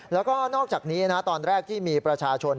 แล้วก็นอกจากนี้นะตอนแรกที่มีประชาชน